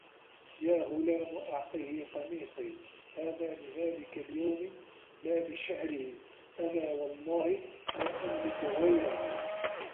يَا غُلَامُ أَعْطِهِ قَمِيصِي هَذَا لِذَلِكَ الْيَوْمِ لَا لِشِعْرِهِ أَمَا وَاَللَّهِ لَا أَمْلِكُ غَيْرَهُ